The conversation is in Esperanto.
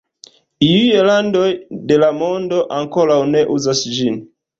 Iuj landoj de la mondo ankoraŭ ne uzas ĝin.